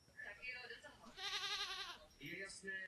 Nejvyšší horou pohoří je nejvyšší hora Venezuely Pico Bolívar.